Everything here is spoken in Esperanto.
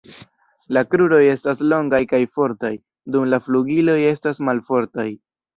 La kruroj estas longaj kaj fortaj, dum la flugiloj estas malfortaj.